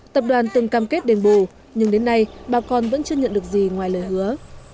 tập đoàn từng cam kết đền bù nhưng đến nay bà con vẫn chưa nhận được gì ngoài lời hứa